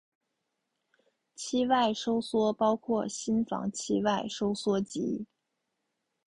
期外收缩包括心房期外收缩及。